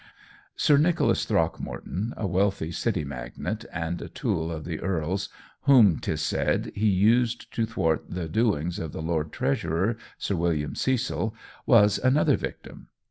Sir Nicholas Throgmorton, a wealthy city magnate and a tool of the earl's, whom, 'tis said, he used to thwart the doings of the Lord Treasurer, Sir William Cecil, was another victim.